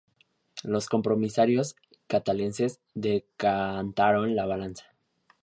Los compromisarios catalanes decantaron la balanza.